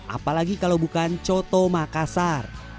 apalagi kalau bukan coto makassar